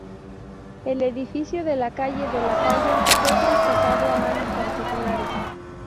El edificio de la calle de la Palla fue traspasado a manos particulares.